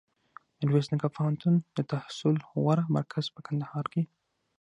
میرویس نیکه پوهنتون دتحصل غوره مرکز په کندهار کي